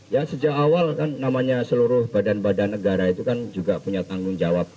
ya sejak awal kan namanya seluruh badan badan negara itu kan juga punya tanggung jawab